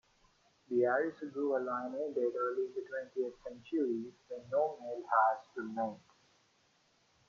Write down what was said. The Arisugawa line ended early in the twentieth century when no male heirs remained.